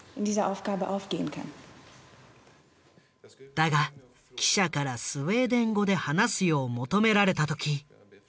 だが記者からスウェーデン語で話すよう求められた時事件は起きた。